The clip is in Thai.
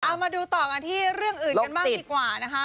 เอามาดูต่อกันที่เรื่องอื่นกันบ้างดีกว่านะคะ